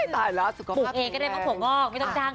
ตายละสุขภาพแข็งแรง